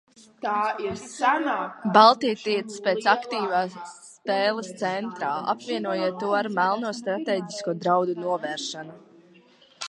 Baltie tiecas pēc aktīvas spēles centrā, apvienojot to ar melno stratēģisko draudu novēršanu.